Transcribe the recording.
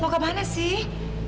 mau ke mana sih